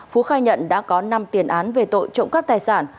phú khai nhận đã có năm tiền án về tội trộm cắp tài sản